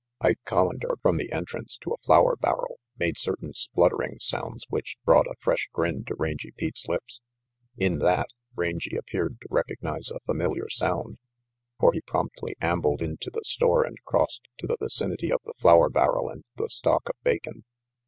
Ike Collander, from the entrance to a flour barrel, made certain spluttering sounds which brought a fresh grin to Rangy Pete's lips. In that, Rangy appeared to recognize a familiar sound, for he promptly ambled into the store and crossed to the vicinity of the flour barrel and the stock of bacon.